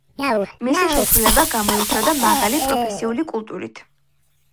მისი შესრულება გამოირჩეოდა მაღალი პროფესიული კულტურით.